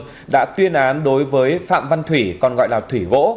tòa nhân dân huyện cầm giang đã tuyên án đối với phạm văn thủy còn gọi là thủy vỗ